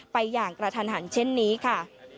อย่างกระทันหันเช่นนี้ค่ะ